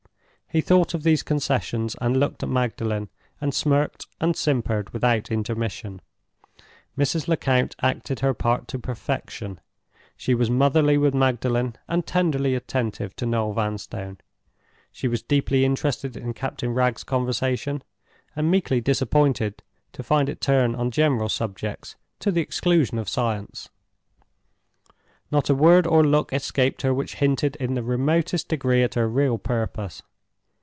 He thought of these concessions, and looked at Magdalen, and smirked and simpered without intermission. Mrs. Lecount acted her part to perfection. She was motherly with Magdalen and tenderly attentive to Noel Vanstone. She was deeply interested in Captain Wragge's conversation, and meekly disappointed to find it turn on general subjects, to the exclusion of science. Not a word or look escaped her which hinted in the remotest degree at her real purpose.